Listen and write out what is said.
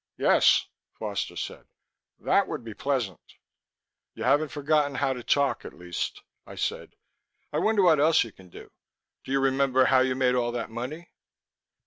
"Yes," Foster said. "That would be pleasant." "You haven't forgotten how to talk, at least," I said. "I wonder what else you can do. Do you remember how you made all that money?"